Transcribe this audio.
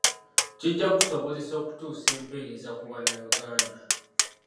Kijja kusobozesa okutuusa empeereza ku bannayuganda.